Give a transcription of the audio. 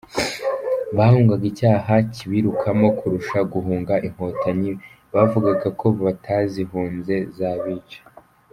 Bahungaga icyaha kibirukamo kurusha guhunga Inkotanyi bavugaga ko batazihunze zabica.